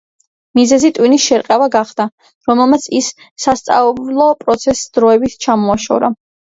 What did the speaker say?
მიზეზი ტვინის შერყევა გახდა, რომელმაც ის სასწავლო პროცესს დროებით ჩამოაშორა.